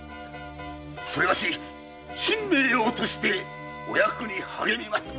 それがし身命を賭してお役に励みまする！